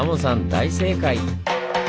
大正解！